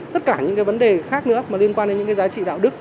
tất cả những cái vấn đề khác nữa mà liên quan đến những cái giá trị đạo đức